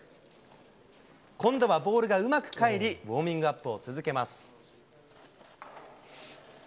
今度はボールがうまく返り、ウォーミングアップを続けます。